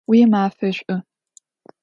Уимафэ шӏу!